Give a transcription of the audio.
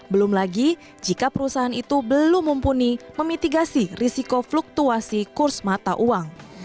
belum lagi jika perusahaan itu belum mumpuni memitigasi risiko fluktuasi kurs mata uang